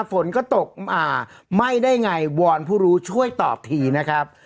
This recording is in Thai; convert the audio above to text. ฝนก็ตกอ่าไหม้ได้ไงวอนผู้รู้ช่วยตอบทีนะครับ